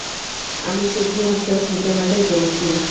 আমি শুধুমাত্র সূচনাটাই পড়েছি।